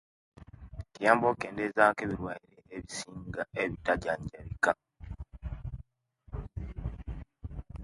Kiyamba okendeziya ku ebiruaire ebisinga ebitajanjabika